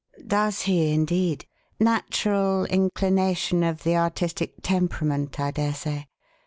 "Does he, indeed? Natural inclination of the artistic temperament, I dare say.